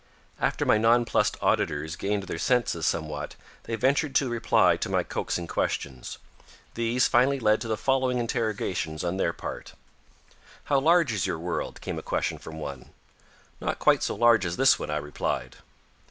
After my nonplused auditors gained their senses somewhat they ventured to reply to my coaxing questions; these finally led to the following interrogations on their part: "How large is your world?" came a question from one. "Not quite so large as this one," I replied.